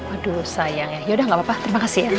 aduh sayang ya yaudah gak apa apa terima kasih